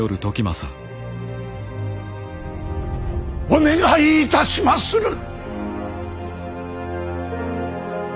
お願いいたしまする！